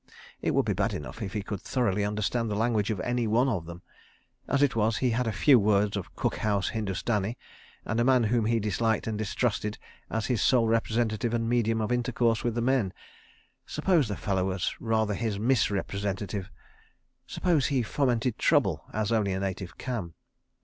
It would be bad enough if he could thoroughly understand the language of any one of them. As it was, he had a few words of cook house Hindustani, and a man whom he disliked and distrusted as his sole representative and medium of intercourse with the men. Suppose the fellow was rather his mis representative? Suppose he fomented trouble, as only a native can?